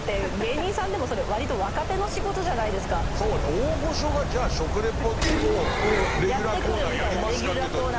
大御所がじゃあ食レポをレギュラーコーナーやりますかというとなかなか。